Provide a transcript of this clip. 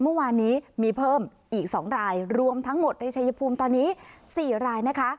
เมื่อวานนี้มีเพิ่มอีก๒รายรวมทั้งหมดในชายภูมิตอนนี้๔รายนะคะ